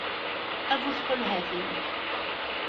D bu tqulhatin!